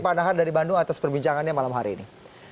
pak nahar dari bandung atas perbincangannya malam hari ini